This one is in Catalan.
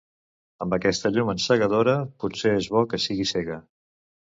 Amb aquesta llum encegadora potser és bo que siguis cega.